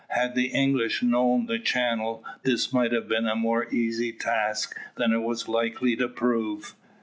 Had the English known the channel, this might have been a more easy task than it was likely to prove.